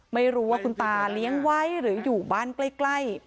ไม่รู้ว่าคุณตาเลี้ยงไว้หรืออยู่บ้านใกล้